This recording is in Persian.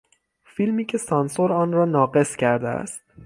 فیلمی که سانسور آن را ناقص کرده است